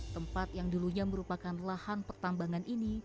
tempat yang dulunya merupakan lahan pertambangan ini